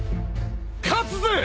勝つぜ！！